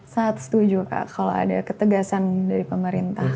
saya setuju kak kalau ada ketegasan dari pemerintah